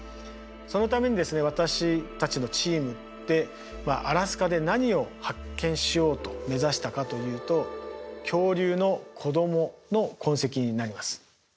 そのためにですね私たちのチームでアラスカで何を発見しようと目指したかというと恐竜の子供の痕跡になります。